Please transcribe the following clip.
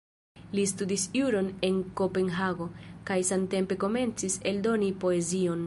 Li studis juron en Kopenhago, kaj samtempe komencis eldoni poezion.